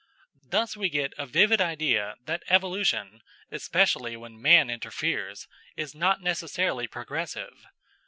Thus we get a vivid idea that evolution, especially when man interferes, is not necessarily progressive.